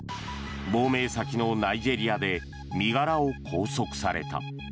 亡命先のナイジェリアで身柄を拘束された。